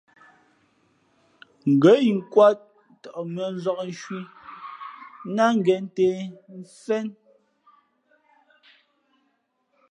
Ngά inkwāt tαʼ mʉ̄ᾱ nzǎk nshwī ná ngěn ntē mfén.